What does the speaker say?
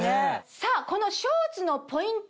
さぁこのショーツのポイント